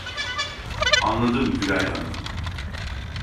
Anladım Gülay hanım